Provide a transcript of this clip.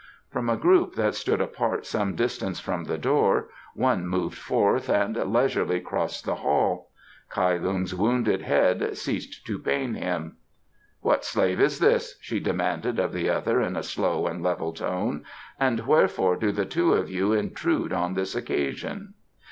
From a group that stood apart some distance from the door one moved forth and leisurely crossed the hall. Kai Lung's wounded head ceased to pain him. "What slave is this," she demanded of the other in a slow and level tone, "and wherefore do the two of you intrude on this occasion?"